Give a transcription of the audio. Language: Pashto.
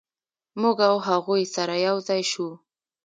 موږ او هغوی سره یو ځای شوو.